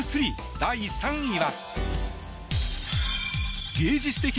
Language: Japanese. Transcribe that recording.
第３位は。